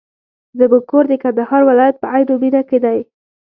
زموږ کور د کندهار ولایت په عينو مېنه کي دی.